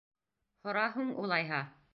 — Һора һуң, улайһа.